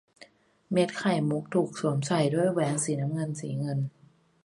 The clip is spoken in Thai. เม็ดไข่มุกถูกสวมใส่ด้วยแหวนสีน้ำเงินสีเงิน